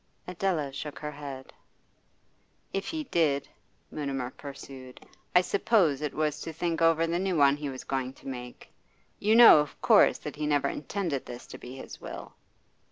Adela shook her head. 'If he did,' Mutimer pursued, 'I suppose it was to think over the new one he was going to make. You know, of course, that he never intended this to be his will?